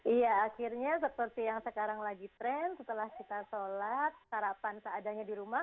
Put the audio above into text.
iya akhirnya seperti yang sekarang lagi tren setelah kita sholat sarapan seadanya di rumah